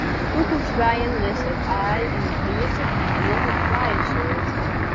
Koekoeksbijen lizze it aai yn it briedsel fan in oare bijesoart.